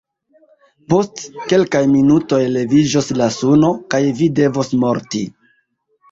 Post kelkaj minutoj leviĝos la suno kaj vi devos morti!